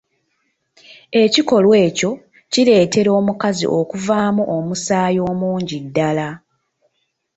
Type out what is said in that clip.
Ekikolwa ekyo kireetera omukazi okuvaamu omusaayi omungi ddala.